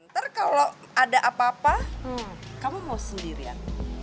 ntar kalau ada apa apa kamu mau sendirian